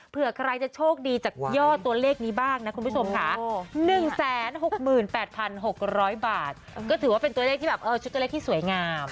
เพื่อใครจะโชคดีจากย่อตัวเลขนี้บ้างนะคุณผู้ชมค่ะ๑๖๘๖๐๐บาทก็ถือว่าเป็นตัวเลขที่แบบชุดตัวเลขที่สวยงาม